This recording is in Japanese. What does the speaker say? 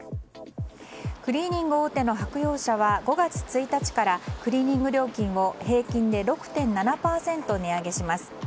クリーニング大手の白洋舎は５月１日からクリーニング料金を平均で６．７％値上げします。